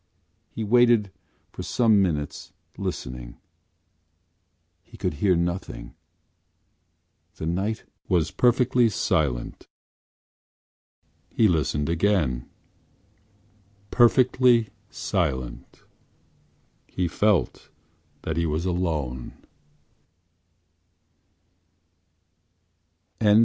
He waited for some minutes listening. He could hear nothing: the night was perfectly silent. He listened again: perfectly silent. He felt that he was alone.